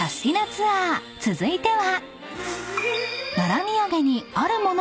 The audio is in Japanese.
ツアー続いては］